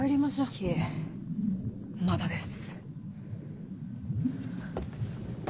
いえまだです。